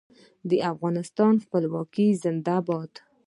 د افغانستان خپلواکي زنده باد.